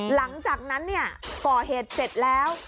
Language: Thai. หลังจากนั้นป่อเหตุเสร็จแล้ว